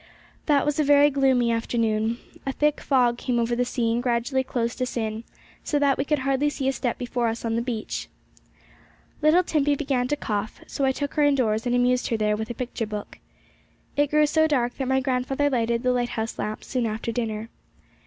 That was a very gloomy afternoon. A thick fog came over the sea and gradually closed us in, so that we could hardly see a step before us on the beach. Little Timpey began to cough, so I took her indoors, and amused her there with a picture book. It grew so dark that my grandfather lighted the lighthouse lamps soon after dinner.